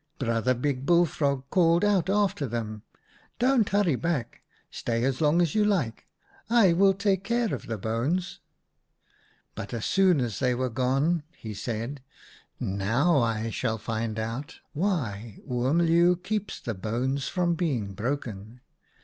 " Brother Big Bullfrog called out after them :' Don't hurry back. Stay as long as you like. I will take care of the bones/ " But as soon as they were gone he said : 1 Now I shall find out why Oom Leeuw keeps the bones from being broken.